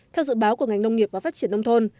theo dự báo của ngành nông nghiệp và phát triển nông thôn